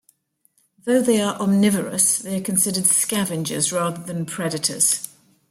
Though they are omnivorous, they are considered scavengers rather than predators.